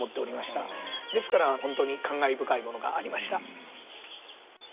ですから本当に感慨深いものがありました。